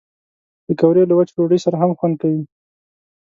پکورې له وچې ډوډۍ سره هم خوند کوي